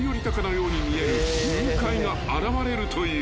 ［が現れるという］